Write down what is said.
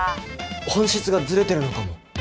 本質がずれてるのかも。